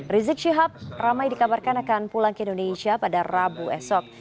rizik syihab ramai dikabarkan akan pulang ke indonesia pada rabu esok